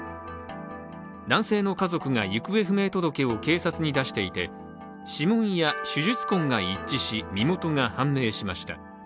男性の家族が行方不明届を警察に出していて指紋や手術痕が一致し、身元が判明しました。